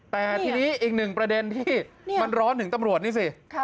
แต่ทีนี้อีกหนึ่งประเด็นที่มันร้อนถึงตำรวจนี่สิ